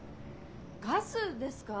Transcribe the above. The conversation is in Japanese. ・ガスですか？